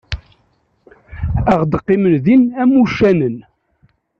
Ad ɣ-d-qqimen din am uccanen.